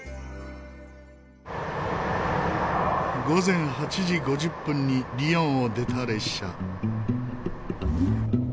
午前８時５０分にリヨンを出た列車。